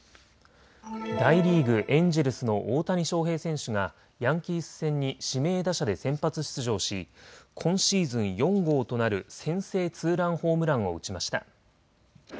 大リーグ、エンジェルスの大谷翔平選手がヤンキース戦に指名打者で先発出場し今シーズン４号となる先制ツーランホームランを打ちました。